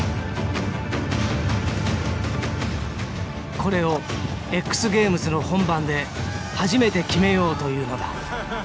これをＸゲームズの本番で初めて決めようというのだ。